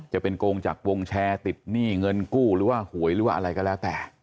โกงจากวงแชร์ติดหนี้เงินกู้หรือว่าหวยหรือว่าอะไรก็แล้วแต่